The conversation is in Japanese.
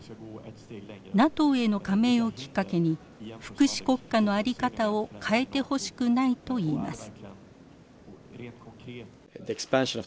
ＮＡＴＯへの加盟をきっかけに福祉国家のあり方を変えてほしくないといいます。